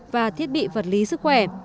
và thiết bị vật lý sức khỏe